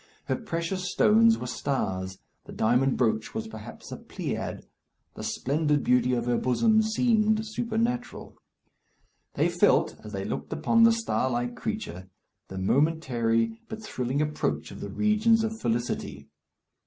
Her precious stones were stars. The diamond brooch was perhaps a pleiad. The splendid beauty of her bosom seemed supernatural. They felt, as they looked upon the star like creature, the momentary but thrilling approach of the regions of felicity.